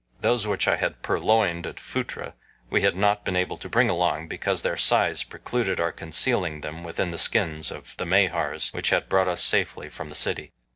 Those which I had purloined at Phutra we had not been able to bring along because their size precluded our concealing them within the skins of the Mahars which had brought us safely from the city.